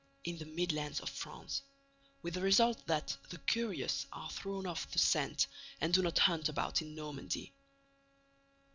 In the Midlands of France, with the result that the curious are thrown off the scent and do not hunt about in Normandy.